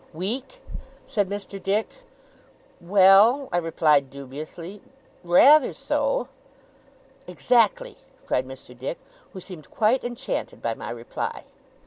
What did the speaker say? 'Weak?' said Mr. Dick. 'Well,' I replied, dubiously. 'Rather so.' 'Exactly!' cried Mr. Dick, who seemed quite enchanted by my reply.